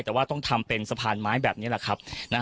แต่ว่าต้องทำเป็นสะพานไม้แบบนี้แหละครับ